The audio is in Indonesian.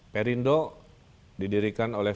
perindo didirikan oleh